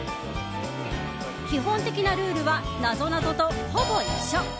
基本的なルールはなぞなぞとほぼ一緒。